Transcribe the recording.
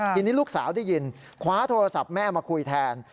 ทีนี้ลูกสาวได้ยินคว้าโทรศัพท์แม่มาคุยแทน